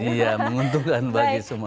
iya menguntungkan bagi semua